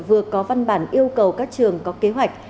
vừa có văn bản yêu cầu các trường có kế hoạch